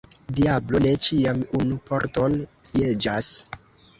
Diablo ne ĉiam unu pordon sieĝas.